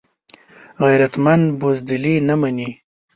غیرتمند بزدلي نه مني